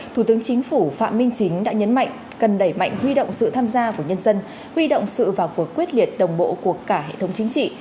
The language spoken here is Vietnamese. thủ tướng chính phủ phạm minh chính đã nhấn mạnh cần đẩy mạnh huy động sự tham gia của nhân dân huy động sự vào cuộc quyết liệt đồng bộ của cả hệ thống chính trị